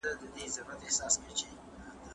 ستور پېژندنه هم د راتلونکي دقيق اټکل نه سي کولای.